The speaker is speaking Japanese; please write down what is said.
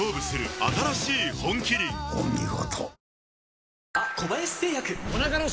お見事。